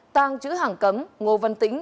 tàng chữ hàng cấm ngô văn tĩnh